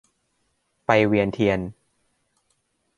ไปเวียนเทียน